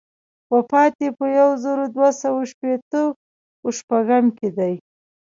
وفات یې په یو زر دوه سوه شپېته و شپږم کې دی.